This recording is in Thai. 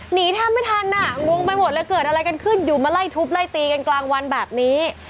หนีแทบไม่ทันอ่ะงงไปหมดเลยเกิดอะไรกันขึ้นอยู่มาไล่ทุบไล่ตีกันกลางวันแบบนี้